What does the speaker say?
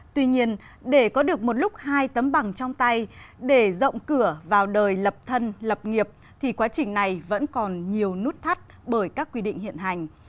tuy nhiên để có được một lúc hai tấm bằng trong tay rộng cửa vào đời lập thân lập nghiệp quá trình này vẫn nhiều nút thắt bởi các ban ngành liên quan